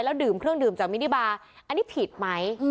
ดื่มเครื่องดื่มจากมินิบาร์อันนี้ผิดไหม